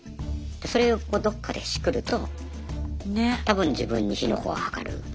それをどっかでしくると多分自分に火の粉がかかる。